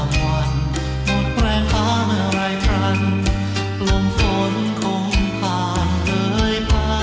โปรดติดตามตอนต่อไป